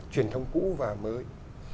truyền thông cũ và mới